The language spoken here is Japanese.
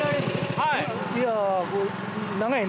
はい。